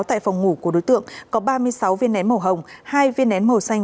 tại phòng ngủ của đối tượng có ba mươi sáu viên nén màu hồng hai viên nén màu xanh